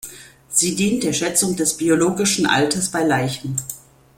Sie dient der Schätzung des biologischen Alters bei Leichen.